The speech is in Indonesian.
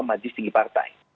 majelis tinggi partai